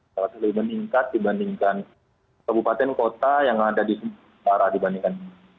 relatif lebih meningkat dibandingkan kabupaten kota yang ada di sumatera dibandingkan